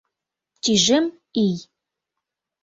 Тӱжем ий